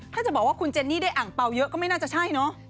ถ้าจะบอกว่าคุณเจนนี่ได้อ่างเปล่าเยอะก็ไม่น่าจะใช่เนาะ